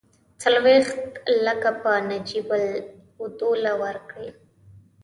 څلوېښت لکه به نجیب الدوله ورکړي.